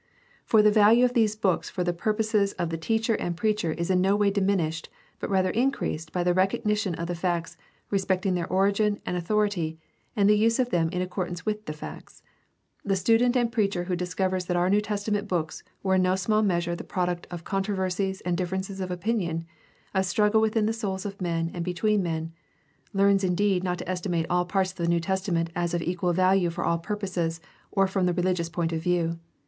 For the value of these books for the purposes of the teacher and preacher is in no way diminished, but rather increased by the recognition of the facts respecting their origin and author ity, and a use of them in accordance with the facts. The student and preacher who discovers that our New Testament books were in no small measure the product of controversies and differences of opinion, of struggle within the souls of men and between men, learns indeed not to estimate all parts of the New Testament as of equal value for all purposes or from the religious point of view.